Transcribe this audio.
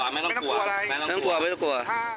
ไม่ต้องกลัวไม่ต้องกลัวไม่ต้องกลัว